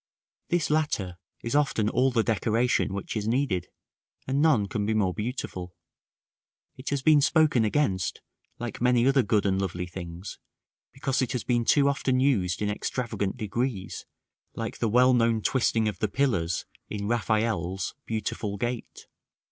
This latter is often all the decoration which is needed, and none can be more beautiful; it has been spoken against, like many other good and lovely things, because it has been too often used in extravagant degrees, like the well known twisting of the pillars in Raffaelle's "Beautiful gate."